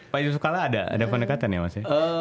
pak jeka suka lah ada ada pendekatan ya mas